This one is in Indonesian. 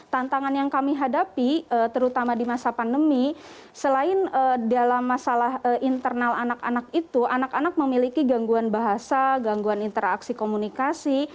tantangan yang kami hadapi terutama di masa pandemi selain dalam masalah internal anak anak itu anak anak memiliki gangguan bahasa gangguan interaksi komunikasi